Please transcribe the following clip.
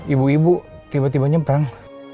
ibu ibu tiba tiba nyempang